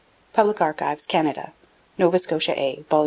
Public Archives, Canada. Nova Scotia A, vol.